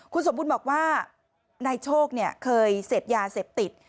คุณสมบูรณ์บอกว่านายโชคเคยเสพยาเสพติด